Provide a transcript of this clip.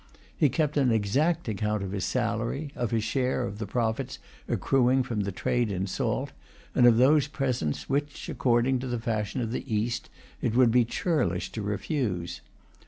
He kept an exact account of his salary, of his share of the profits accruing from the trade in salt, and of those presents which, according to the fashion of the East, it would be churlish to refuse.